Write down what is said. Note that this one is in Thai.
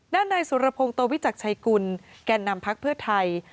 นายสุรพงศ์โตวิจักรชัยกุลแก่นำพักเพื่อไทย